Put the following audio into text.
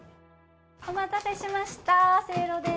お待たせしましたせいろです